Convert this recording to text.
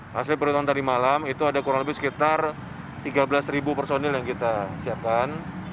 hasil perhitungan tadi malam itu ada kurang lebih sekitar tiga belas personil yang kita siapkan